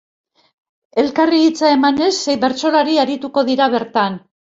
Elkarri hitza emanez sei bertsolari arituko dira bertan.